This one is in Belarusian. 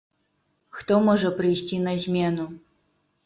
Хто можа прыйсці на змену?